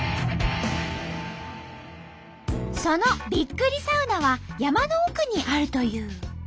そのびっくりサウナは山の奥にあるという。